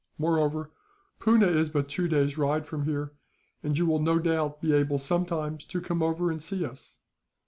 Moreover, Poona is but two days' ride from here, and you will no doubt be able sometimes to come over and see us.